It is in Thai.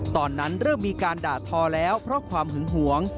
ตอนนั้นเริ่มมีการด่าทอแล้วเพราะความหึงหวง